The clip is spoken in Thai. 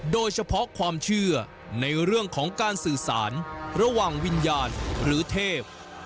โดยเฉพาะความเชื่อในเรื่องของการสื่อสารระหว่างวิญญาณหรือเทพ